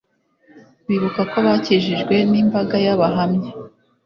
bibuka ko bakikijwe nimbaga yabahamya